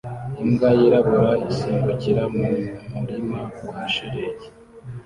Imbwa yirabura isimbukira mu murima wa shelegi